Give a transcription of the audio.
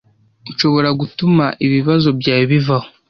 Nshobora gutuma ibibazo byawe bivaho.